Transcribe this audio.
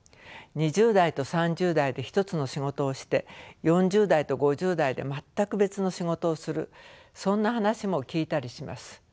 ２０代と３０代で一つの仕事をして４０代と５０代で全く別の仕事をするそんな話も聞いたりします。